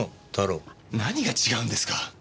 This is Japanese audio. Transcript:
何が違うんですか？